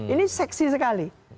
ini seksi sekali